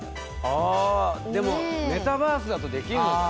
あでもメタバースだとできるのかな？